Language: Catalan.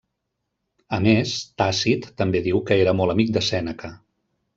A més, Tàcit també diu que era molt amic de Sèneca.